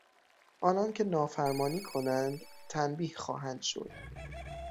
آنانکه نافرمانی کنند تنبیه خواهند شد.